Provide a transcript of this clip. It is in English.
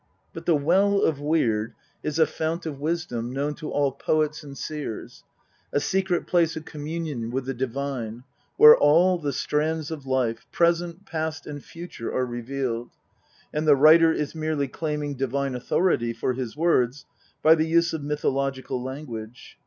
But the Well of Weird is the fount of Wisdom, known to all poets and seers, a secret place of communion with the divine, where all the strands of life present, past, and future are revealed, and the writer is merely claiming divine authority for his words by the use of mythological language.